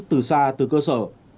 từ xa từ cơ sở